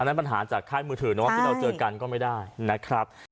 นั้นปัญหาจากค่ายมือถือเนาะที่เราเจอกันก็ไม่ได้นะครับ